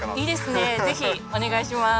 是非お願いします。